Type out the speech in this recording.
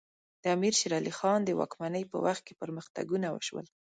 د امیر شیر علی خان د واکمنۍ په وخت کې پرمختګونه وشول.